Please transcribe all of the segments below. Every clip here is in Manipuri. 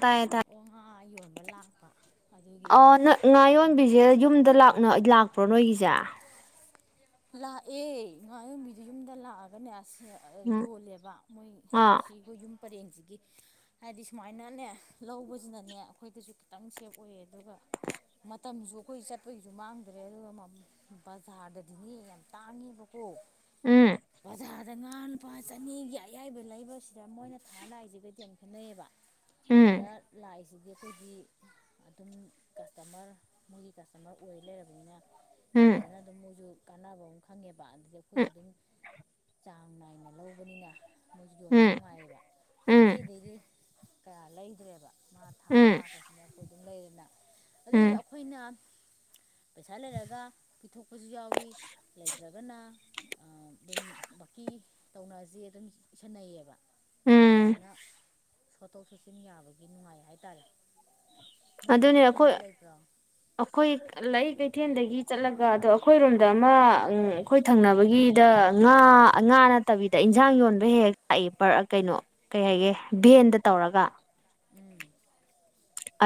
ꯇꯥꯏꯌꯦ ꯇꯥꯏ ꯑꯣ ꯉꯥ ꯌꯣꯟꯕ ꯂꯥꯛꯄ ꯑꯗꯨꯒꯤ ꯑꯣ ꯉꯥ ꯌꯣꯟꯕꯤꯁꯦ ꯌꯨꯝꯗ ꯂꯥꯛꯄ꯭ꯔꯣ ꯅꯣꯏꯒꯤꯁꯦ ꯂꯥꯛꯑꯦ ꯉꯥ ꯌꯣꯟꯕꯤꯗꯨ ꯌꯨꯝꯗ ꯂꯥꯛꯑꯒꯅꯦ ꯎꯝ ꯌꯣꯜꯂꯦꯕ ꯃꯣꯏ ꯑꯥ ꯁꯤ ꯑꯩꯈꯣꯏ ꯌꯨꯝ ꯄꯔꯦꯡꯁꯤꯒꯤ ꯍꯥꯏꯗꯤ ꯁꯨꯃꯥꯏꯅꯅꯦ ꯂꯧꯕꯁꯤꯅꯅꯦ ꯑꯩꯈꯣꯏꯗꯁꯨ ꯈꯤꯇꯪ ꯁꯦꯞ ꯑꯣꯏꯌꯦ ꯑꯗꯨꯒ ꯃꯇꯝꯁꯨ ꯑꯩꯈꯣꯏ ꯆꯠꯄꯒꯤꯁꯨ ꯃꯥꯡꯗ꯭ꯔꯦ ꯑꯗꯨꯒ ꯕꯖꯥꯔꯗꯗꯤꯅꯦ ꯌꯥꯝ ꯇꯥꯡꯉꯦꯕ ꯑꯣ ꯎꯝ ꯕꯖꯥꯔꯗ ꯉꯥ ꯂꯨꯄꯥ ꯆꯅꯤꯒꯤ ꯑꯌꯥꯏꯕ ꯂꯩꯕꯁꯤ ꯁꯤꯗ ꯃꯣꯏꯅ ꯊꯥ ꯂꯥꯛꯏꯁꯤꯒꯗꯤ ꯌꯥꯝ ꯈꯦꯠꯅꯩꯑꯕ ꯁꯤꯗ ꯎꯝ ꯂꯥꯛꯏꯁꯤ ꯍꯥꯏꯗꯤ ꯑꯩꯈꯣꯏꯗꯤ ꯑꯗꯨꯝ ꯀꯁꯇꯃꯔ ꯃꯣꯏꯒꯤ ꯀꯁꯇꯃꯔ ꯑꯣꯏ ꯂꯩꯔꯕꯅꯤꯅ ꯎꯝ ꯐꯖꯅ ꯑꯗꯨꯝ ꯃꯣꯏꯁꯨ ꯀꯥꯟꯅꯕ ꯑꯃ ꯈꯪꯉꯦꯕ ꯑꯗꯨꯗꯒꯤ ꯎꯝ ꯑꯩꯈꯣꯏꯁꯨ ꯑꯗꯨꯝ ꯆꯥꯡ ꯅꯥꯏꯅ ꯂꯧꯕꯅꯤꯅ ꯃꯣꯏꯁꯨ ꯌꯣꯟꯕ ꯎꯝ ꯅꯨꯡꯉꯥꯏꯌꯦꯕ ꯎꯝ ꯀꯩꯊꯦꯜꯗꯩꯗꯤ ꯀꯌꯥ ꯂꯩꯗ꯭ꯔꯦꯕ ꯉꯥ ꯊꯥꯔ ꯎꯝ ꯂꯥꯛꯄꯁꯤꯅ ꯑꯩꯈꯣꯏ ꯑꯗꯨꯝ ꯂꯩꯔꯦꯅ ꯑꯗꯨꯑꯣꯏꯗꯤ ꯎꯝ ꯑꯩꯈꯣꯏꯅ ꯄꯩꯁꯥ ꯂꯩꯔꯒ ꯄꯤꯊꯣꯛꯄꯁꯨ ꯌꯥꯎꯋꯤ ꯂꯩꯇ꯭ꯔꯒꯅ ꯑꯗꯨꯝ ꯕꯀꯤ ꯇꯧꯅꯔꯁꯦ ꯑꯗꯨꯝ ꯏꯁꯟꯅꯩꯌꯦꯕ ꯎꯝ ꯑꯗꯨꯃꯥꯏꯅ ꯆꯣꯠꯊꯣꯛ ꯆꯣꯠꯁꯤꯟ ꯌꯥꯕꯒꯤ ꯅꯨꯡꯉꯥꯏ ꯍꯥꯏꯇꯥꯔꯦ ꯅꯣꯏꯗꯤ ꯑꯗꯨꯅꯦ ꯑꯩꯈꯣꯏ ꯀꯩꯊꯦꯜꯗꯩ ꯂꯩꯕ꯭ꯔꯣ ꯑꯩꯈꯣꯏ ꯂꯩꯔꯤꯛꯩ ꯀꯩꯊꯦꯜꯗꯒꯤ ꯆꯠꯂꯒ ꯑꯗꯣ ꯑꯩꯈꯣꯏꯔꯣꯝꯗ ꯑꯃ ꯑꯩꯈꯣꯏ ꯊꯪꯅꯕꯒꯤꯗ ꯉꯥ ꯉꯥꯅ ꯅꯠꯇꯕꯤꯗ ꯏꯟꯁꯥꯡ ꯌꯣꯟꯕ ꯍꯦꯛ ꯍꯦꯛ ꯂꯥꯛꯏ ꯀꯩꯅꯣ ꯀꯩ ꯍꯥꯏꯒꯦ ꯚꯦꯟꯗ ꯇꯧꯔꯒ ꯎꯝ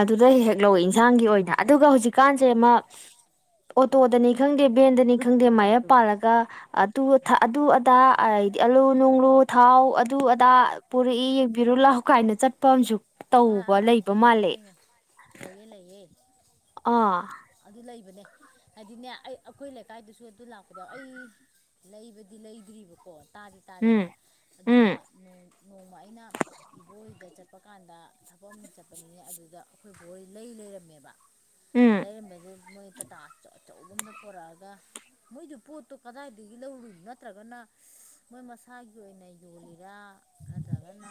ꯑꯗꯨꯗ ꯍꯦꯛ ꯍꯦꯛ ꯂꯧꯋꯦ ꯌꯦꯟꯁꯥꯡꯒꯤ ꯑꯣꯏꯅ ꯑꯗꯨꯒ ꯍꯧꯖꯤꯛꯀꯥꯟꯁꯦ ꯑꯃ ꯑꯣꯇꯣꯗꯅꯤ ꯈꯪꯗꯦ ꯚꯦꯟꯗꯅꯤ ꯈꯪꯗꯦ ꯃꯌꯦꯞ ꯄꯥꯜꯂꯒ ꯑꯗꯨ ꯑꯗꯨ ꯑꯗꯥ ꯍꯥꯏꯗꯤ ꯑꯥꯂꯨ ꯅꯨꯡꯂꯨ ꯊꯥꯎ ꯑꯗꯨ ꯑꯗꯥ ꯄꯨꯔꯛꯏ ꯌꯦꯡꯕꯤꯔꯣ ꯂꯥꯎ ꯀꯥꯏꯅ ꯆꯠꯄ ꯑꯃꯁꯨ ꯇꯧꯕ ꯂꯩ ꯊꯦꯡꯉꯦ ꯊꯦꯡꯉꯦ ꯂꯩꯑꯦ ꯂꯩꯌꯦ ꯑꯥ ꯑꯗꯨꯅꯦ ꯑꯩ ꯑꯩꯈꯣꯏ ꯂꯩꯀꯥꯏꯗꯨꯁꯨ ꯑꯗꯨ ꯂꯥꯛꯄ ꯌꯥꯎꯏ ꯑꯩ ꯂꯩꯕꯗꯤ ꯂꯩꯗ꯭ꯔꯤꯕꯀꯣ ꯇꯥꯗꯤ ꯇꯥꯔꯦꯕ ꯎꯝ ꯑꯗꯨꯒ ꯎꯝ ꯅꯣꯡꯃ ꯑꯩꯅ ꯏꯕꯣꯛ ꯍꯣꯏꯗ ꯆꯠꯄ ꯀꯥꯟꯗ ꯊꯕꯛ ꯑꯃ ꯆꯠꯄꯅꯤꯅꯦ ꯑꯗꯨꯗ ꯑꯩꯈꯣꯏ ꯏꯕꯣꯛ ꯍꯣꯏ ꯂꯩ ꯂꯩꯔꯝꯃꯦꯕ ꯎꯝ ꯂꯩꯔꯝꯃꯦ ꯑꯗꯨ ꯃꯣꯏ ꯇꯥꯇꯥ ꯑꯆꯧꯕ ꯑꯃꯗ ꯄꯨꯔꯛꯑꯒ ꯃꯣꯏꯗꯨ ꯄꯣꯠꯇꯣ ꯀꯗꯥꯏꯗꯒꯤ ꯂꯧꯔꯨꯏꯅꯣ ꯅꯠꯇ꯭ꯔꯒꯅ ꯃꯣꯏ ꯃꯁꯥꯒꯤ ꯑꯣꯏꯅ ꯌꯣꯜꯂꯤꯔꯥ ꯅꯠꯇ꯭ꯔꯒꯅ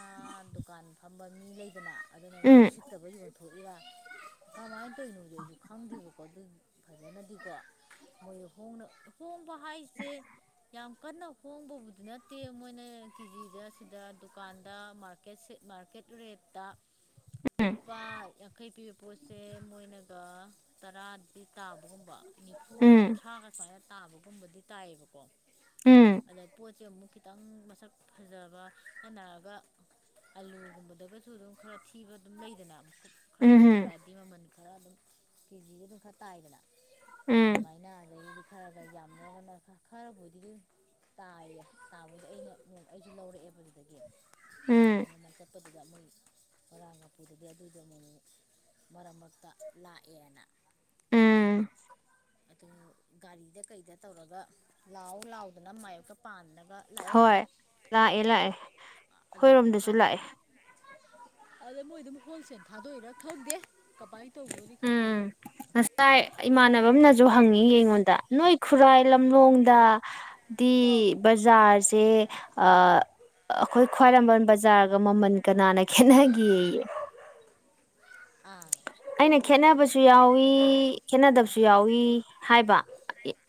ꯗꯨꯀꯥꯟ ꯐꯝꯕ ꯃꯤ ꯂꯩꯗꯅ ꯑꯗꯨꯅ ꯃꯣꯏ ꯎꯝ ꯁꯤꯠꯇꯕ ꯌꯣꯟ ꯊꯣꯛꯏꯔꯥ ꯀꯃꯥꯏꯅ ꯇꯧꯔꯤꯅꯣꯗꯤ ꯑꯩꯁꯨ ꯈꯪꯗꯦꯕꯀꯣ ꯑꯗꯨ ꯐꯖꯅꯗꯤꯀꯣ ꯃꯣꯏ ꯍꯣꯡꯅ ꯍꯣꯡꯕ ꯍꯥꯏꯁꯦ ꯌꯥꯝ ꯀꯟꯅ ꯍꯣꯡꯕꯕꯨꯗꯤ ꯅꯠꯇꯦ ꯃꯣꯏꯅ ꯀꯦꯖꯤꯗ ꯁꯤꯗ ꯗꯨꯀꯥꯟꯗ ꯃꯥꯔꯀꯦꯠ ꯁꯦꯠ ꯃꯥꯔꯀꯦꯠ ꯔꯦꯠꯇ ꯂꯨꯄꯥ ꯌꯥꯡꯈꯩ ꯄꯤꯕ ꯄꯣꯠꯁꯦ ꯃꯣꯏꯅꯒ ꯇꯔꯥꯗꯤ ꯇꯥꯕꯒꯨꯝꯕ ꯅꯤꯐꯨ ꯎꯝ ꯀꯨꯟꯊ꯭ꯔꯥꯒ ꯁꯨꯃꯥꯏꯅ ꯇꯥꯕꯒꯨꯝꯕꯗꯤ ꯇꯥꯏꯌꯦꯕꯀꯣ ꯎꯝ ꯑꯗ ꯄꯣꯠꯁꯦ ꯑꯃꯨꯛ ꯈꯤꯇꯪ ꯃꯁꯛ ꯐꯖꯕ ꯍꯦꯦꯟꯅꯅꯔꯒ ꯑꯂꯨꯒꯨꯝꯕꯗꯒꯁꯨ ꯑꯗꯨꯝ ꯈꯔ ꯊꯤꯕ ꯑꯗꯨꯝ ꯂꯩꯗꯅꯥ ꯈꯔ ꯎꯝ ꯀꯨꯞꯊꯔꯛꯑꯗꯤ ꯃꯃꯟ ꯈꯔ ꯑꯗꯨꯝ ꯀꯦꯖꯤꯗ ꯑꯗꯨꯝ ꯈꯔ ꯇꯥꯏꯗꯅꯥ ꯎꯝ ꯑꯗꯨꯃꯥꯏꯅ ꯑꯗꯒꯤꯗꯤ ꯈꯔ ꯒ ꯌꯥꯝ ꯂꯧꯔꯒꯅ ꯈꯔꯕꯨꯗꯤ ꯇꯥꯏꯌꯦ ꯇꯥꯕꯨꯗꯤ ꯑꯩꯅ ꯑꯩꯖꯨ ꯂꯧꯔꯛꯑꯦ ꯑꯗꯨꯗꯒꯤ ꯎꯝ ꯃꯃꯟ ꯆꯠꯄꯗꯨꯗ ꯃꯣꯏ ꯉꯔꯥꯡ ꯅꯄꯨꯗꯗꯤ ꯑꯗꯨꯗꯣ ꯑꯃꯨꯛ ꯃꯔꯛ ꯃꯔꯛꯇ ꯂꯥꯛꯑꯦꯅꯥ ꯑꯗ ꯎꯝ ꯑꯗꯨ ꯒꯥꯔꯤꯗ ꯀꯩꯗ ꯇꯧꯔꯒ ꯂꯥꯎ ꯂꯥꯎꯗꯅ ꯃꯥꯥꯏꯌꯦꯞꯀ ꯄꯥꯟꯗꯅꯥ ꯍꯣꯏ ꯂꯥꯛꯑꯦ ꯂꯥꯛꯑꯦ ꯑꯗꯣ ꯈꯣꯏꯔꯣꯝꯗꯁꯨ ꯀꯥꯟꯗꯦ ꯂꯥꯛꯑꯦ ꯑꯗ ꯃꯣꯏ ꯗꯨꯝ ꯍꯣꯜꯁꯦꯜ ꯊꯥꯗꯣꯛꯏꯔꯥ ꯈꯪꯗꯦ ꯀꯃꯥꯏ ꯇꯧꯕꯅꯣꯗꯤ ꯈꯪꯗꯦ ꯑꯩꯖꯨ ꯃꯝꯅꯖꯨ ꯍꯪꯉꯛꯏ ꯑꯩꯉꯣꯟꯗ ꯅꯣꯏ ꯈꯨꯔꯥꯏ ꯂꯝꯂꯣꯡꯗ ꯗꯤ ꯑꯥ ꯕꯖꯥꯔꯁꯦ ꯑꯥ ꯑ ꯑꯈꯣꯏ ꯈ꯭ꯋꯥꯏꯔꯝꯕꯟ ꯕꯖꯥꯔꯒ ꯃꯃꯟ ꯀꯅꯥꯅ ꯈꯦꯠꯅꯒꯦꯌꯦ ꯑꯥ ꯑꯩꯅ ꯈꯦꯠꯅꯕꯁꯨ ꯌꯥꯎꯋꯤ ꯈꯦꯠꯅꯗꯕꯁꯨ ꯌꯥꯎꯏ ꯍꯥꯏꯕ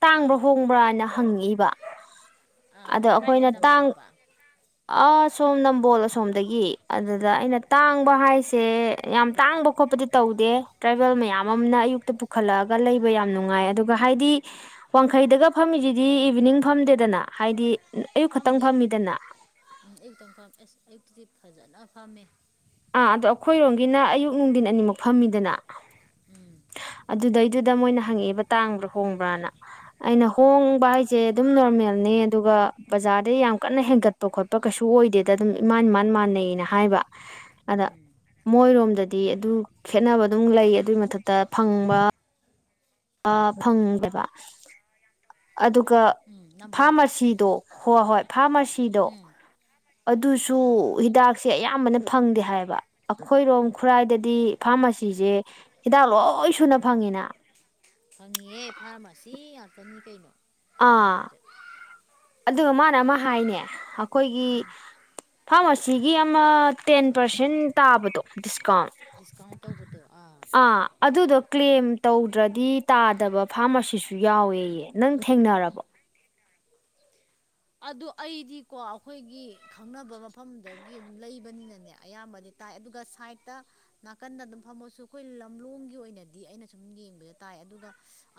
ꯇꯥꯡꯕ꯭ꯔꯣ ꯑꯥ ꯍꯣꯡꯕ꯭ꯔꯅ ꯍꯪꯉꯛꯏꯕ ꯑꯥ ꯑꯗꯣ ꯀꯥꯏꯗꯩ ꯑꯈꯣꯏꯅ ꯇꯥꯡ ꯅꯃꯥꯟꯅꯕ ꯑꯥ ꯁꯣꯝ ꯅꯝꯕꯣꯜ ꯑꯁꯣꯝꯗꯒꯤ ꯑꯗꯨꯗ ꯑꯩꯅ ꯑꯣ ꯇꯥꯡꯕ ꯍꯥꯏꯁꯦ ꯌꯥꯝ ꯇꯥꯡꯕ ꯈꯣꯠꯄꯗꯤ ꯇꯧꯗꯦ ꯇ꯭ꯔꯥꯏꯕꯦꯜ ꯃꯌꯥꯝ ꯑꯝꯅ ꯑꯌꯨꯛꯇ ꯄꯨꯈꯠꯂꯑꯒ ꯂꯩꯕ ꯌꯥꯝ ꯅꯨꯡꯉꯥꯏ ꯑꯗꯨꯒ ꯍꯥꯏꯗꯤ ꯋꯥꯡ ꯈꯩꯗꯒ ꯐꯝꯃꯤꯖꯤꯗꯤ ꯏꯚꯤꯅꯤꯡ ꯐꯝꯗꯦꯗꯅ ꯍꯥꯏꯗꯤ ꯑꯌꯨꯛ ꯈꯛꯇꯪ ꯐꯝꯗꯦ ꯐꯝꯃꯤꯗꯅ ꯑꯌꯨꯛꯇꯪ ꯐꯝ ꯑꯁ ꯑꯌꯨꯛꯇꯗꯤ ꯐꯖꯅ ꯐꯝꯃꯦ ꯑꯥ ꯑꯗꯣ ꯑꯩꯈꯣꯏꯔꯣꯝꯒꯤꯅ ꯑꯌꯨꯛ ꯅꯨꯡꯗꯤꯟ ꯑꯅꯤꯃꯛ ꯐꯝꯃꯤꯗꯅ ꯎꯝ ꯑꯗꯨꯗꯩꯗꯨꯗ ꯃꯣꯏꯅ ꯍꯪꯉꯛꯑꯦ ꯕ ꯇꯥꯡꯕ꯭ꯔ ꯍꯣꯡꯕ꯭ꯔꯅ ꯑꯩꯅ ꯍꯣꯡꯕ ꯍꯥꯏꯖꯦ ꯑꯗꯨꯝ ꯅꯣꯔꯃꯦꯜꯅꯤ ꯑꯗꯨꯒ ꯕꯖꯥꯔꯗꯩ ꯌꯥꯝ ꯀꯟꯅ ꯍꯦꯟꯒꯠꯄ ꯈꯣꯠꯄ ꯀꯩꯁꯨ ꯑꯣꯏꯗꯦꯗ ꯑꯗꯨꯝ ꯏꯃꯥꯟ ꯏꯃꯥꯟ ꯃꯥꯟꯅꯩꯅ ꯍꯥꯏꯕ ꯑꯗꯥ ꯎꯝ ꯃꯣꯏꯔꯣꯝꯗꯗꯤ ꯑꯗꯨ ꯈꯦꯠꯅꯕ ꯑꯗꯨꯝ ꯂꯩ ꯑꯗꯨꯏ ꯃꯊꯛꯇ ꯐꯪꯕ ꯑꯥ ꯐꯪꯗꯕ ꯑꯗꯨꯒ ꯎꯝ ꯅꯝꯕꯣꯜꯗ ꯐꯥꯔꯃꯥꯁꯤꯗꯣ ꯍꯣ ꯍꯣꯏ ꯐꯥꯔꯃꯥꯁꯤꯗꯣ ꯎꯝ ꯑꯗꯨꯁꯨ ꯑꯥ ꯍꯤꯗꯥꯛ ꯁꯦ ꯑꯌꯥꯝꯕꯅ ꯐꯪꯗꯦ ꯍꯥꯏꯌꯦꯕ ꯑꯈꯣꯏꯔꯣꯝ ꯈꯨꯔꯥꯏꯗꯗꯤ ꯐꯥꯔꯃꯥꯁꯤꯖꯦ ꯍꯤꯗꯥꯛ ꯂꯣꯏ ꯂꯣꯏ ꯁꯨꯅ ꯐꯪꯉꯦꯅ ꯀꯅꯤ ꯀꯩꯅꯣ ꯐꯪꯉꯤ ꯑꯥ ꯃꯌꯥꯝꯁꯦ ꯑꯗꯨꯒ ꯃꯥꯅ ꯑꯃ ꯍꯥꯏꯅꯦ ꯑꯈꯣꯏꯒꯤ ꯐꯥꯔꯃꯥꯁꯤꯒꯤ ꯑꯃ ꯇꯦꯟ ꯄꯔꯁꯦꯟ ꯇꯥꯕꯗꯣ ꯗꯤꯁ ꯀꯥꯎꯟ ꯗꯤꯁꯀꯥꯎꯟ ꯇꯧꯕꯗꯣ ꯑꯥ ꯑꯗꯨꯗꯣ ꯀ꯭ꯂꯦꯝ ꯇꯧꯗ꯭ꯔꯗꯤ ꯇꯥꯗꯕ ꯐꯥꯔꯃꯥꯁꯤꯁꯨ ꯌꯥꯎꯋꯦꯌꯦ ꯅꯪ ꯊꯦꯡꯅꯔꯕꯣ ꯑꯗꯨ ꯑꯩꯗꯤꯀꯣ ꯑꯈꯣꯏꯒꯤ ꯈꯪꯅꯕ ꯃꯐꯝꯗꯒꯤ ꯑꯗꯨꯝ ꯂꯩꯕꯅꯤꯅꯅꯦ ꯑꯌꯥꯝꯕꯗꯤ ꯇꯥꯏ ꯑꯗꯨꯒ ꯁꯥꯏꯠꯇ ꯅꯥꯀꯟꯗ ꯑꯗꯨꯝ ꯐꯝꯃꯁꯨ ꯑꯩꯈꯣꯏ ꯂꯝꯂꯣꯡꯒꯤ ꯑꯣꯏꯅꯗꯤ ꯑꯩꯅ ꯁꯨꯝ ꯌꯦꯡꯕꯗ ꯇꯥꯏ ꯑꯗꯨꯒ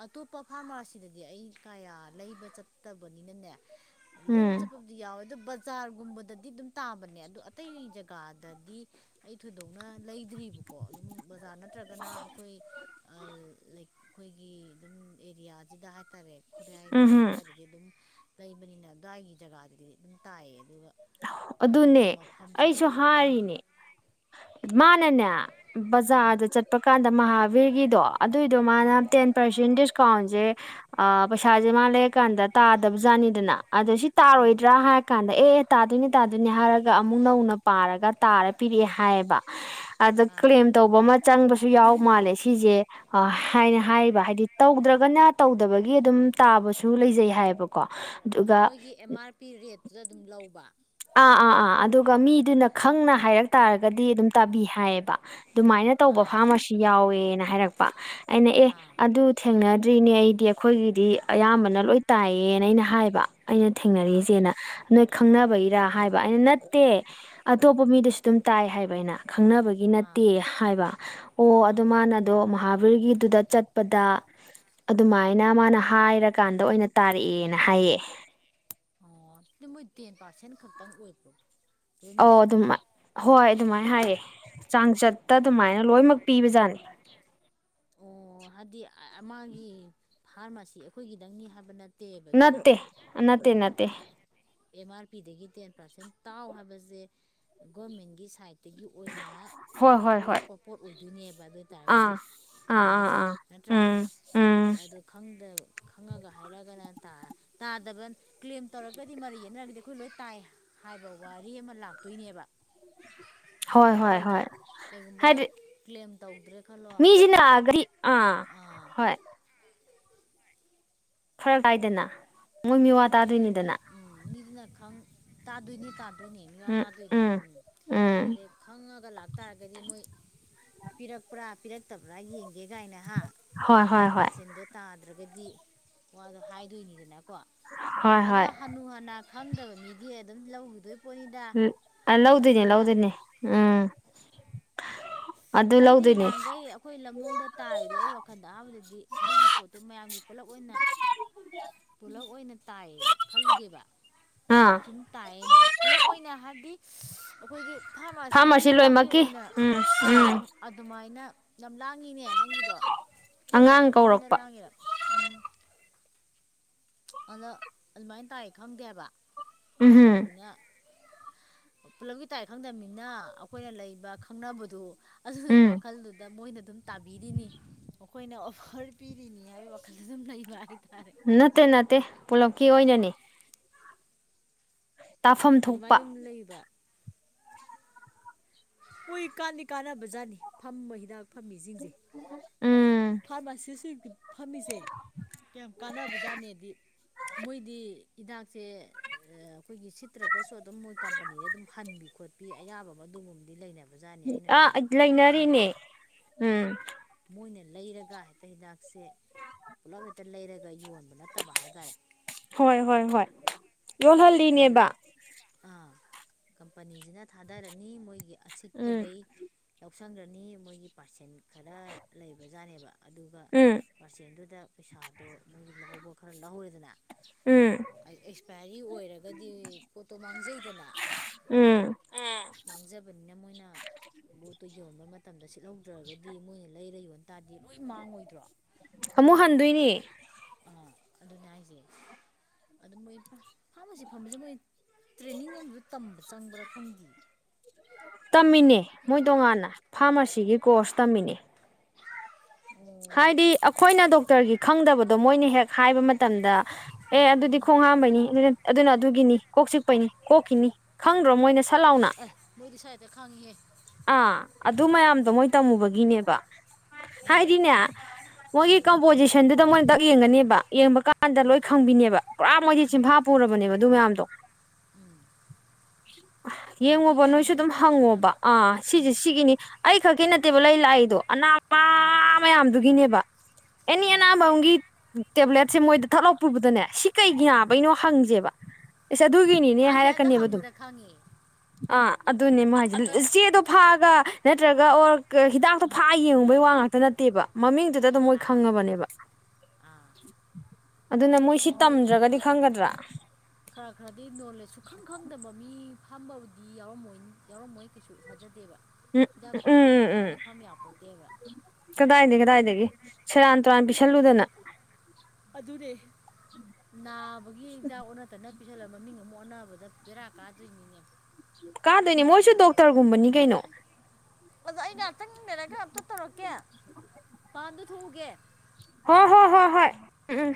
ꯑꯇꯣꯞꯄ ꯐꯥꯔꯃꯥꯔꯁꯤꯗꯗꯤ ꯑꯩ ꯀꯌꯥ ꯂꯩꯕ ꯆꯠꯇꯕꯅꯤꯅꯅꯦ ꯂꯩꯕ ꯎꯝ ꯆꯠꯄꯕꯨꯗꯤ ꯌꯥꯎꯌꯦ ꯑꯗꯣ ꯕ ꯖꯥꯔꯒꯨꯝꯕꯗꯗꯤ ꯑꯗꯨꯝ ꯇꯥꯕꯅꯦ ꯑꯗꯣ ꯑꯇꯩ ꯖꯒꯥꯗꯗꯤ ꯑꯩ ꯊꯣꯏꯗꯣꯛꯅ ꯂꯩꯗ꯭ꯔꯤꯕꯀꯣ ꯑꯗꯨꯝ ꯕꯖꯥꯔ ꯅꯠꯇ꯭ꯔꯒꯅ ꯑꯈꯣꯏ ꯑꯥ ꯂꯩ ꯑꯩꯈꯣꯏꯒꯤ ꯑꯗꯨꯝ ꯑꯦꯔꯤꯌꯥꯖꯤꯗ ꯍꯥꯏꯇꯥꯔꯦ ꯈꯨꯔꯥꯏ ꯎꯝ ꯂꯝꯂꯣꯡ ꯍꯝ ꯁꯥꯏꯗꯗꯤ ꯑꯗꯨꯝ ꯂꯩꯕꯅꯤꯅ ꯑꯗ꯭ꯋꯥꯏꯒꯤ ꯖꯒꯥꯗꯗꯤ ꯑꯗꯨꯝ ꯇꯥꯏꯌꯦ ꯑꯗꯨꯒ ꯑꯗꯨꯅꯦ ꯑꯇꯣꯞꯄ ꯃꯐꯝ ꯑꯩꯁꯨ ꯁꯥꯏꯠꯇꯗꯤ ꯈꯪꯗꯦ ꯍꯥꯏꯔꯤꯅꯦ ꯃꯥꯅꯅꯦ ꯎꯝ ꯕꯖꯥꯔꯗ ꯆꯠꯄ ꯀꯥꯟꯗ ꯃꯍꯥꯚꯤꯔꯒꯤꯗꯣ ꯑꯗꯨꯏꯗꯣ ꯃꯥꯅ ꯎꯝ ꯇꯦꯟ ꯄꯔꯁꯦꯟ ꯗꯤꯁꯀꯥꯎꯟꯖꯦ ꯄꯩꯁꯥꯖꯦ ꯃꯥ ꯂꯩꯔꯀꯥꯟꯗ ꯇꯥꯗꯕ ꯖꯥꯠ ꯃꯥꯅꯤꯗꯅ ꯑꯗꯣ ꯁꯤ ꯎꯝ ꯇꯥꯔꯣꯏꯗ꯭ꯔꯥ ꯍꯥꯏꯔ ꯀꯥꯟꯗ ꯑꯦ ꯑꯦ ꯇꯥꯗꯣꯏꯅꯦ ꯇꯥꯗꯣꯏꯅꯦ ꯍꯥꯏꯔꯒ ꯑꯃꯨꯛ ꯅꯧꯅ ꯄꯥꯔꯒ ꯇꯥꯔ ꯄꯤꯔꯛꯑꯦ ꯍꯥꯏꯌꯦꯕ ꯑꯗ ꯑꯥ ꯀ꯭ꯂꯦꯝ ꯇꯧꯕ ꯑꯃ ꯆꯪꯕꯁꯨ ꯌꯥꯎ ꯃꯥꯜꯂꯦ ꯁꯤꯁꯦ ꯑ ꯍꯥꯏꯅ ꯍꯥꯏꯔꯤꯕ ꯍꯥꯏꯗꯤ ꯇꯧꯗ꯭ꯔꯒꯅ ꯇꯧꯗꯕꯒꯤ ꯑꯗꯨꯝ ꯇꯥꯕꯁꯨ ꯂꯩꯖꯩ ꯍꯥꯏꯌꯦꯕꯀꯣ ꯑꯗꯨꯒ ꯃꯣꯏꯒꯤ ꯑꯦꯝ ꯑꯥꯔ ꯄꯤ ꯔꯦꯠꯇꯨꯗ ꯑꯗꯨꯝ ꯂꯧꯕ ꯑ ꯑ ꯑ ꯑꯗꯨꯒ ꯃꯤꯗꯨꯅ ꯈꯪꯅ ꯍꯥꯏꯔꯛ ꯇꯥꯔꯒꯗꯤ ꯑꯗꯨꯝ ꯇꯥꯕꯤ ꯍꯥꯏꯌꯦꯕ ꯗꯨꯃꯥꯏꯅ ꯇꯧꯕ ꯑꯥ ꯐꯥꯔꯃꯥꯁꯤ ꯌꯥꯎꯋꯦꯅ ꯍꯥꯏꯔꯛꯄ ꯑꯩꯅ ꯑꯦ ꯑꯥ ꯑꯗꯨ ꯊꯦꯡꯅꯗ꯭ꯔꯤꯅꯦ ꯑꯩꯗꯤ ꯑꯩꯈꯣꯏꯒꯤꯗꯤ ꯑꯌꯥꯝꯕꯅ ꯂꯣꯏ ꯇꯥꯢꯌꯦ ꯑꯩꯅ ꯍꯥꯏꯕ ꯑꯩꯅ ꯑꯥ ꯊꯦꯡꯅꯔꯤꯁꯦꯅ ꯅꯣꯏ ꯑꯥ ꯈꯪꯅꯕꯒꯤ ꯍꯥꯏꯕ ꯑꯩꯅ ꯅꯠꯇꯦ ꯑꯇꯣꯞꯄ ꯃꯤꯗꯁꯨ ꯑꯗꯨꯝ ꯇꯥꯏ ꯍꯥꯏꯕ ꯑꯩꯅ ꯈꯪꯅꯕꯒꯤ ꯑꯥ ꯅꯠꯇꯦ ꯍꯥꯏꯕ ꯑꯣ ꯑꯥ ꯑꯗꯣ ꯃꯥꯅꯗꯣ ꯃꯍꯥ ꯚꯤꯔꯒꯤꯗꯨꯗ ꯆꯠꯄꯗ ꯑꯗꯨꯃꯥꯏꯅ ꯃꯥꯅ ꯍꯥꯏꯔꯀꯥꯟꯗ ꯑꯣꯏꯅ ꯇꯥꯔꯛꯑꯦꯅ ꯍꯥꯏꯌꯦ ꯑꯣ ꯑꯗꯨ ꯃꯣꯏ ꯇꯦꯟ ꯄꯥꯔꯁꯦꯟ ꯈꯛꯇꯪ ꯑꯣꯏꯕ꯭ꯔꯣ ꯑꯣ ꯂꯣꯏꯅꯃꯛꯁꯦ ꯑꯗꯨꯃ ꯍꯣꯏ ꯑꯗꯨꯃꯥꯏꯅ ꯍꯥꯏꯔꯦ ꯆꯥꯡꯆꯠꯇ ꯑꯗꯨꯃꯥꯏꯅ ꯂꯣꯏꯅꯃꯛ ꯄꯤꯕꯖꯥꯠꯅꯤ ꯑꯣ ꯍꯥꯏꯗꯤ ꯑꯃꯒꯤ ꯐꯥꯔꯃꯥꯁꯤ ꯑꯩꯈꯣꯏꯒꯤꯗꯪꯅꯤ ꯍꯥꯏꯕ ꯅꯠ ꯅꯠꯇꯦ ꯅꯠꯇꯦ ꯅꯠꯇꯦ ꯑꯦꯝ ꯑꯥꯔ ꯄꯤꯗꯒꯤ ꯇꯦꯟ ꯄꯥꯔꯁꯦꯟ ꯇꯥꯎ ꯍꯥꯏꯕꯖꯦ ꯒꯣꯔꯃꯦꯟꯒꯤ ꯁꯥꯏꯠ ꯗꯒꯤ ꯑꯣꯏꯅ ꯍꯣꯏ ꯍꯣꯏ ꯍꯣꯏ ꯊꯣꯛꯄ ꯄꯣꯠ ꯑꯣꯏꯗꯣꯏꯅꯦꯕ ꯑꯗꯨ ꯑꯣꯏ ꯑꯥ ꯇꯥꯔꯒꯗꯤ ꯑꯥ ꯃꯣꯏ ꯑꯥ ꯍꯥꯏꯁꯦ ꯑꯥ ꯅꯠꯇ꯭ꯔꯥ ꯎꯝ ꯎꯝ ꯑꯗꯨ ꯈꯪꯗ ꯈꯪꯉꯒ ꯍꯥꯏꯔꯒꯅ ꯇꯥ ꯇꯥꯗꯕ ꯀ꯭ꯂꯦꯝ ꯇꯧꯔꯒ ꯗꯤ ꯃꯔꯩ ꯌꯦꯠꯅꯔꯒꯗꯤ ꯑꯩꯈꯣꯏ ꯂꯣꯏ ꯇꯥꯏ ꯍꯥꯏꯕ ꯋꯥꯔꯤ ꯑꯃ ꯂꯥꯛꯇꯣꯏꯅꯦꯕ ꯍꯣꯏ ꯍꯣꯏ ꯂꯥꯛꯑꯣꯏꯗ꯭ꯔꯥ ꯍꯣꯏ ꯀꯩꯒꯨꯝꯕ ꯀ꯭ꯂꯦꯝ ꯇꯧꯗ꯭ꯔꯦ ꯈꯜꯂꯣ ꯃꯤꯖꯤꯅ ꯅꯥ [unintelligible] ꯑꯗꯤ ꯑꯥ ꯍꯣꯏ ꯐꯔꯛ ꯇꯥꯏꯗꯅ ꯃꯣꯏ ꯃꯤꯋꯥ ꯑꯗꯨꯅꯦꯕ ꯇꯥꯗꯣꯏꯅꯤꯗꯅ ꯎꯝ ꯃꯤꯗꯨꯅ ꯈꯪ ꯇꯥꯗꯣꯏꯅꯤ ꯇꯥꯗꯣꯏꯅꯤ ꯃꯤꯋꯥ ꯇꯥꯗꯣꯏꯅꯦ ꯎꯝ ꯎꯝ ꯑꯗꯩ ꯈꯪꯉ ꯂꯥꯛ ꯇꯥꯥꯔꯒꯗꯤ ꯃꯣꯏ ꯄꯤꯔꯛꯄ꯭ꯔꯥ ꯄꯤꯔꯛꯇꯕ꯭ꯔꯥ ꯌꯦꯡ ꯌꯦꯡꯒꯦ ꯒꯥꯏꯅ ꯍꯥ ꯍꯣꯏ ꯍꯣꯏ ꯇꯦꯟ ꯍꯣꯏ ꯄꯥꯔꯁꯦꯟꯗꯣ ꯇꯥꯗ꯭ꯔꯒꯗꯤ ꯋꯥꯗꯣ ꯍꯥꯏꯗꯣꯏꯅꯤꯗꯅꯀꯣ ꯍꯣꯏ ꯑꯗꯣ ꯍꯣꯏ ꯍꯅꯨ ꯍꯅꯥ ꯈꯪꯗꯕ ꯃꯤꯗꯤ ꯑꯗꯨꯝ ꯂꯧꯈꯤꯗꯣꯏ ꯄꯣꯠꯅꯤꯗ ꯎꯝ ꯑꯥ ꯂꯧꯗꯣꯢꯅꯦ ꯅꯝꯗꯅ ꯂꯧꯗꯣꯢꯅꯦ ꯎꯝ ꯑꯗꯨ ꯑꯩꯗꯤ ꯂꯧꯗꯣꯏꯅꯦ ꯅꯍꯥꯟꯒꯩ ꯑꯩꯈꯣꯏ ꯂꯝꯂꯣꯡꯗ ꯇꯥꯔꯤꯗꯣ ꯑꯩ ꯋꯥꯈꯜꯗ ꯑꯍꯥꯟꯕꯗꯗꯤ ꯑꯗꯨꯒꯤ ꯄꯣꯠꯇꯨ ꯃꯌꯥꯝꯒꯤ ꯄꯨꯂꯞ ꯑꯣꯏꯅ ꯄꯨꯂꯞ ꯑꯣꯏꯅ ꯇꯥꯏꯌꯦ ꯈꯜꯂꯨꯗꯦꯕ ꯑꯥ ꯁꯨꯝ ꯇꯥꯏꯌꯦ ꯄꯨꯂꯞ ꯑꯣꯏꯅ ꯍꯥꯏꯕꯗꯤ ꯑꯩꯈꯣꯏꯒꯤ ꯐꯥꯔꯃꯥꯁꯤꯒꯤ ꯐꯥꯔꯃꯥꯁꯤ ꯍꯤꯗꯥꯛꯀꯤ ꯂꯣꯏꯅꯃꯛꯀꯤ ꯑꯣꯏꯅ ꯎꯝ ꯑꯥ ꯎꯝ ꯑꯗꯨꯝ ꯑꯗꯨꯃꯥꯏꯅ ꯌꯥꯝ ꯂꯥꯡꯉꯤꯅꯦ ꯅꯪꯒꯤꯗꯣ ꯈꯣꯢꯅꯔ ꯑꯉꯥꯡ ꯑꯩꯉꯣꯟꯗ ꯀꯧꯔꯛꯄ ꯂꯥꯡꯉꯤꯔ ꯎꯝ ꯑꯗꯣ ꯑꯗꯨꯃꯥꯏꯅ ꯇꯥꯢ ꯈꯪꯗꯦꯕ ꯎꯝꯍꯝ ꯈꯪꯗꯕꯅꯤꯅ ꯄꯨꯂꯞꯀꯤ ꯇꯥꯏ ꯈꯪꯗꯝꯕꯅꯤꯅ ꯑꯩꯈꯣꯏꯅ ꯂꯩꯕ ꯈꯪꯅꯕꯗꯨ ꯑꯗꯨꯒꯤ ꯎꯝ ꯋꯥꯈꯜꯗꯨꯗ ꯃꯣꯏꯅ ꯑꯗꯨꯝ ꯇꯥꯕꯤꯔꯤꯅꯤ ꯃꯈꯣꯏꯅ ꯑꯣꯐꯔ ꯄꯤꯔꯤꯅꯤ ꯍꯥꯏꯕꯩ ꯋꯥꯈꯜꯗ ꯑꯗꯨꯝ ꯂꯩꯕ ꯍꯥꯢꯇꯥꯔꯦ ꯅꯠꯇꯦ ꯅꯠꯇꯦ ꯄꯨꯂꯞꯀꯤ ꯑꯣꯏꯅꯅꯤ ꯇꯥꯐꯝ ꯊꯣꯛꯄ ꯑꯗꯨꯃꯥꯏꯅ ꯑꯗꯨꯝ ꯂꯩꯕ ꯃꯣꯏ ꯀꯥꯟꯗꯤ ꯀꯥꯟꯅꯕꯖꯥꯠꯅꯤ ꯐꯝꯕ ꯍꯤꯗꯥꯛ ꯐꯝꯃꯤꯖꯤꯡꯁꯦ ꯎꯝ ꯐꯥꯔꯃꯥꯁꯤꯁ ꯁꯤꯡ ꯐꯝꯃꯤꯁꯦ ꯌꯥꯝ ꯀꯥꯟꯅꯕꯖꯥꯠꯅꯦꯗꯤ ꯃꯣꯏꯗꯤ ꯍꯤꯗꯥꯛꯁꯦ ꯑꯩꯈꯣꯏꯒꯤ ꯁꯤꯠꯇ꯭ꯔꯒꯁꯨ ꯑꯗꯨꯝ ꯃꯣꯏ ꯀꯝꯄꯅꯤꯗ ꯑꯗꯨꯝ ꯍꯟꯕꯤ ꯈꯣꯠꯄꯤ ꯑꯌꯥꯕꯃ ꯑꯗꯨꯨꯝꯕ ꯑꯥ ꯂꯩꯅꯔꯤꯅꯦ ꯎꯝ ꯃꯣꯏꯅ ꯂꯩꯔꯒ ꯍꯦꯛꯇ ꯍꯤꯗꯥꯛꯁꯦ ꯄꯨꯂꯞ ꯍꯦꯛꯇ ꯂꯩꯔꯒ ꯌꯣꯟ ꯅꯠꯇꯕ ꯍꯥꯏꯇꯥꯔꯦ ꯍꯣꯏ ꯍꯣꯏ ꯍꯣꯏ ꯑꯗꯩ ꯌꯣꯜꯍꯜꯂꯤꯅꯦꯕ ꯀꯝꯄꯅꯤꯁꯤꯅ ꯊꯥꯗꯔꯅꯤ ꯃꯣꯏꯒꯤ ꯎꯝ ꯑꯁꯤꯠꯄꯈꯩ ꯂꯧꯁꯤꯟꯈ꯭ꯔꯅꯤ ꯃꯣꯏꯒꯤ ꯄꯥꯔꯁꯦꯟ ꯈꯔ ꯂꯩꯕꯖꯥꯠꯅꯦꯕ ꯑꯗꯨꯒ ꯎꯝ ꯄꯔꯆꯦꯟꯗꯨꯗ ꯄꯩꯁꯥꯗꯣ ꯃꯣꯏꯒꯤ ꯂꯧꯍꯧꯕ ꯈꯔ ꯂꯧꯍꯧꯔꯦꯗꯅ ꯎꯝ ꯑꯦꯛꯁꯄꯔꯤ ꯑꯣꯏꯔꯒꯗꯤ ꯄꯣꯠꯇꯣ ꯃꯥꯡꯖꯩꯗꯅ ꯎꯝ ꯎꯝ ꯃꯥꯡꯖꯕꯅꯤꯅ ꯃꯣꯏꯅ ꯂꯣꯠꯇꯣ ꯌꯣꯟ ꯃꯇꯝꯗ ꯁꯤꯠꯍꯧꯗ꯭ꯔꯒꯗꯤ ꯃꯣꯏꯅ ꯂꯩꯔ ꯌꯣꯟ ꯇꯥꯗꯤ ꯂꯣꯏ ꯃꯥꯡꯉꯣꯏꯗ꯭ꯔꯣ ꯑꯃꯨꯛ ꯍꯟꯗꯣꯏꯅꯤ ꯑꯥ ꯑꯗꯨꯅꯦ ꯍꯥꯏꯁꯦ ꯑꯗꯨ ꯃꯣꯏ ꯐꯥꯔꯃꯥꯁꯤ ꯐꯝꯕꯁꯦ ꯃꯣꯏ ꯇ꯭ꯔꯦꯅꯤꯡ ꯑꯃꯖꯨ ꯇꯝꯕ ꯆꯪꯕ꯭ꯔꯥ ꯈꯪꯗꯦ ꯇꯝꯃꯤꯅꯦ ꯃꯣꯏ ꯇꯣꯉꯥꯟꯅ ꯐꯥꯔꯃꯥꯁꯤꯒꯤ ꯀꯣꯔꯁ ꯇꯝꯃꯤꯅꯦ ꯑꯣ ꯍꯥꯏꯗꯤ ꯑꯩꯈꯣꯏꯅ ꯗꯣꯛꯇꯔꯒꯤ ꯈꯪꯗꯕꯗꯣ ꯃꯣꯏꯅ ꯍꯦꯛ ꯍꯥꯏꯕ ꯃꯇꯝꯗ ꯑꯦ ꯑꯗꯨꯗꯤ ꯈꯣꯡ ꯍꯥꯝꯕꯩꯅꯤ ꯑꯗꯨꯗꯤ ꯑꯗꯨꯅ ꯑꯗꯨꯒꯤꯅꯤ ꯀꯣꯛ ꯆꯤꯛꯄꯩꯅꯤ ꯀꯣꯛꯀꯤꯅꯤ ꯈꯪꯗ꯭ꯔꯣ ꯃꯣꯏꯅ ꯁꯠ ꯂꯥꯎꯅ ꯑꯩ ꯃꯣꯏꯗꯤ ꯁꯥꯏꯗ ꯑꯥ ꯑꯗꯨ ꯃꯌꯥꯝꯗꯣ ꯃꯣꯏ ꯇꯝꯃꯨꯕꯒꯤꯅꯦꯕ ꯍꯥꯏ ꯗꯤꯅꯦ ꯃꯣꯏꯒꯤ ꯀꯝꯄꯣꯖꯤꯁꯟꯗꯨꯗ ꯃꯣꯏꯅ ꯗꯛ ꯌꯦꯡꯉꯅꯦꯕ ꯌꯦꯡꯕ ꯀꯥꯟꯗ ꯂꯣꯏ ꯈꯪꯕꯤꯅꯦꯕ ꯄꯨꯔꯥ ꯃꯣꯏꯗꯤ ꯆꯤꯟꯐꯥ ꯄꯨꯔꯕꯅꯦꯕ ꯑꯗꯨ ꯃꯌꯥꯝꯗꯣ ꯎꯝ [inaudible] ꯅꯨꯡꯇꯤꯒꯤ ꯌꯦꯡꯉꯣꯕ ꯅꯣꯏꯁꯨ ꯁꯨꯝꯁꯨ ꯑꯗꯨꯝ ꯁꯤꯖꯤꯟꯅꯕ ꯍꯪꯉꯣꯕ ꯑꯥ ꯁꯤꯁꯦ ꯎꯝ ꯁꯤꯒꯤꯅꯤ ꯑꯩ ꯈꯛꯀꯤ ꯅꯠꯇꯦꯕ ꯂꯩ ꯂꯥꯛꯏꯗꯣ ꯑꯅꯥꯕ ꯃꯌꯥꯝꯗꯨꯒꯤꯅꯦꯕ ꯑꯦꯅꯤ ꯎꯝ ꯑꯅꯥꯕ ꯑꯃꯒꯤ ꯇꯦꯕ꯭ꯂꯦꯠ ꯁꯦ ꯃꯣꯏꯗ ꯊꯠꯂꯥꯎ ꯄꯨꯕꯗꯅꯦ ꯁꯤ ꯀꯩꯒꯤ ꯅꯕꯩꯅꯣ ꯍꯪꯁꯦꯕ ꯑꯦꯁ ꯑꯗꯨꯒꯤꯅꯤꯅꯦ ꯃꯥꯅꯦ ꯑꯗꯣ ꯍꯥꯏꯔꯛꯀꯅꯦꯕ ꯑꯗꯨꯝ ꯍꯪꯕꯗ ꯈꯪꯉꯦ ꯑꯥ ꯑꯗꯨꯅꯦ ꯃꯣ ꯍꯥꯏꯁꯦ ꯑꯗꯨꯅꯤ ꯆꯦꯗꯣ ꯐꯛ ꯅꯠꯇ꯭ꯔꯒ ꯑꯣꯔ ꯍꯤꯗꯥꯛꯇꯣ ꯐꯥꯛ ꯑ ꯌꯦꯡꯉꯨꯕꯒꯤ ꯋꯥ ꯉꯥꯛꯇ ꯅ ꯅꯠꯇꯦꯕ ꯃꯃꯤꯡꯗꯨꯗ ꯑꯗꯨꯝ ꯃꯣꯏ ꯑꯥ ꯈꯪꯉꯕꯅꯦꯕ ꯑꯗꯨꯅ ꯃꯣꯏ ꯁꯤ ꯑꯗꯨꯗ ꯃꯣꯏꯗꯤ ꯇꯝꯗ꯭ꯔꯒꯗꯤ ꯈꯪꯒꯗ꯭ꯔꯥ ꯈꯔ ꯈꯔꯗꯤ ꯅꯣꯂꯦꯖ ꯁꯨꯈꯪ ꯈꯪꯗꯕ ꯃꯤ ꯐꯝꯕꯕꯨꯗꯤ ꯌꯥꯎꯔꯝꯃꯣꯏ ꯌꯥꯎꯔꯝꯃꯣꯏ ꯀꯩꯁꯨ ꯊꯖꯗꯦꯕ ꯎꯝ ꯎꯝ ꯎꯝ ꯎꯝ ꯌꯥꯄꯣꯠꯇꯦꯕ ꯅꯠꯇ꯭ꯔꯥ ꯀꯗꯥꯏꯗꯩ ꯀꯗꯥꯏꯗꯩ ꯁꯦꯔꯥꯟ ꯔꯥꯟ ꯄꯤꯁꯤꯜꯂꯨꯗꯅ ꯑꯗꯨꯅꯦ ꯅꯥꯕꯒꯤ ꯍꯤꯗꯥꯛ ꯑꯣꯟꯅ ꯇꯩꯅ ꯄꯤꯁꯜꯂꯒ ꯃꯃꯤꯡ ꯑꯃꯨꯛ ꯑꯣꯟꯅꯕꯗ ꯕꯦꯔꯥ ꯀꯥꯗ꯭ꯣꯏꯅꯤꯅꯦ ꯀꯗꯣꯏꯅꯦ ꯃꯣꯏꯁꯨ ꯗꯣꯛꯇꯔꯒꯨꯝꯕꯅꯤ ꯀꯩꯅꯣ ꯑꯗꯣ ꯑꯩ ꯉꯥꯏꯍꯥꯛꯇꯪ ꯂꯩꯔꯒ ꯑꯝꯇ ꯇꯧꯔꯛꯀꯦ ꯄꯥꯟꯗ ꯊꯣꯛꯎꯒꯦ ꯍꯣ ꯍꯣ ꯍꯣ ꯍꯣꯏ ꯎꯝ